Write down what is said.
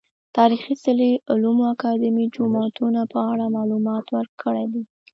تاريخي څلي، علومو اکادميو، جوماتونه په اړه معلومات ورکړي دي